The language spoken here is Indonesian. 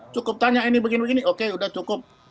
cukup tanya ini begini begini oke sudah cukup